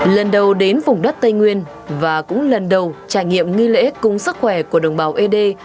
lần đầu đến vùng đất tây nguyên và cũng lần đầu trải nghiệm nghi lễ cung sức khỏe của đồng bào ế đê